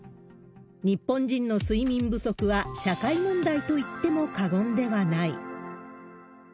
日本人の睡眠不足は社会問題といっても過言ではない。